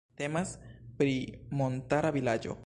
Temas pri montara vilaĝo.